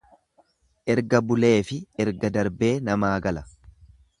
Erga buleefi erga darbee namaa gala.